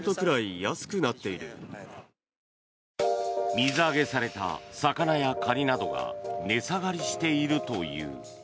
水揚げされた魚やカニなどが値下がりしているという。